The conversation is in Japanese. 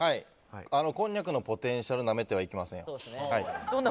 こんにゃくのポテンシャルなめたらいけません。